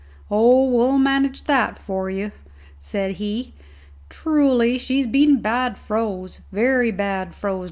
"Oh, we'll manage that for you," said he. "Tru ly, she's been bad froze, very bad froze.